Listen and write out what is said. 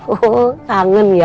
oh kangen ya